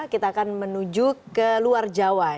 kita akan menuju ke luar jawa